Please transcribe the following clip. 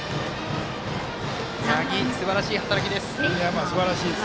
八木、すばらしい働きです。